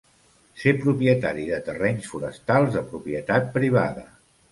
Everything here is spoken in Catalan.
Ser propietari de terrenys forestals de propietat privada.